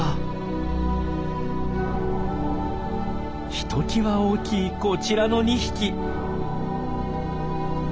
ひときわ大きいこちらの２匹。